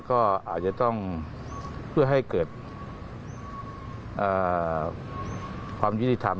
ก็อาจจะต้องเพื่อให้เกิดความยุติธรรม